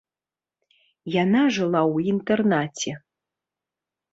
Яна жыла ў інтэрнаце.